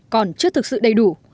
còn chưa thực sự đầy đủ